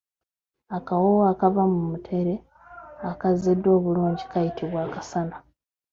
Akawoowo akava mu mutere akaziddwa obulungi kayitibwa akasana.